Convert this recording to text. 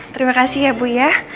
terima kasih ya bu ya